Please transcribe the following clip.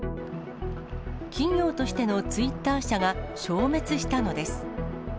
企業としてのツイッター社が消滅したのです。